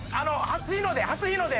初日の出。